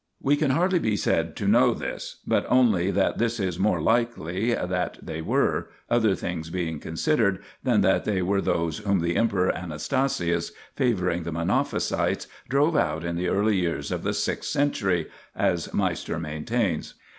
We can hardly be said to " know " this, but only that this is more likely that they were, other things being con sidered, than that they were those whom the Emperor Anastasius, favouring the Monophysites, drove out in the early years of the sixth century (as Meister main tains).